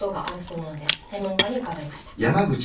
専門家に伺いました。